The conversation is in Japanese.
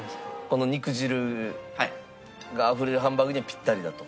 この肉汁があふれるハンバーグにはピッタリだと？